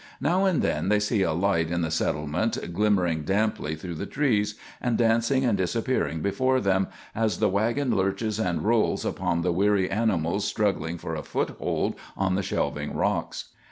Now and then they see a light in the settlement, glimmering damply through the trees, and dancing and disappearing before them, as the wagon lurches and rolls upon the weary animals struggling for a foothold on the shelving rocks.